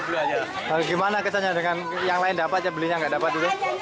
bagaimana dengan yang lain dapat belinya tidak dapat dulu